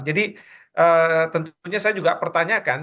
jadi tentunya saya juga pertanyakan